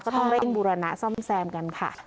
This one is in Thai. ก็ต้องเร่งบูรณะซ่อมแซมกันค่ะ